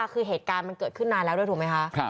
คือเหตุการณ์มันเกิดขึ้นนานแล้วด้วยถูกไหมคะ